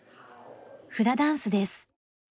フラダンスです。